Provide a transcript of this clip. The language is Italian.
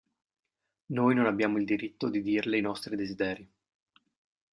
Noi non abbiamo il diritto di dirle i nostri desideri.